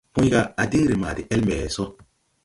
Pũy: À diŋ ree ma de ele mbɛ so.